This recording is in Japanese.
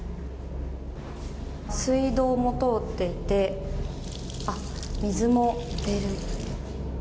水道も通っていて、水も出る。